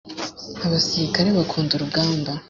abasirikare bakunda urugamba.